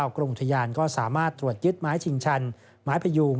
กรมอุทยานก็สามารถตรวจยึดไม้ชิงชันไม้พยูง